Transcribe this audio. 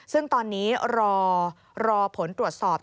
ซึ่งตอนนี้รอผลตรวจสอบ